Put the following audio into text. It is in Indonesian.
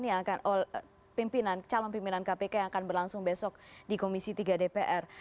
yang akan pimpinan calon pimpinan kpk yang akan berlangsung besok di komisi tiga dpr